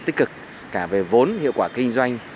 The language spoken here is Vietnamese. tích cực cả về vốn hiệu quả kinh doanh